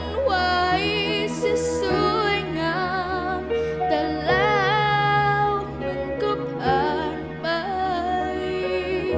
เสียสวยงามแต่แล้วมันก็ผ่านไป